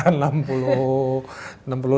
lebih ada enam puluh lebih